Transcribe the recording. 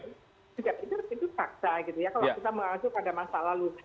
itu saksa gitu ya kalau kita mengatur pada masa lalu